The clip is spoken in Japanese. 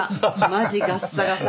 マジガッサガサ！